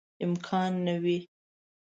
امکان نه وي.